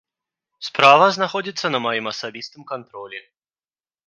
Справа знаходзіцца на маім асабістым кантролі.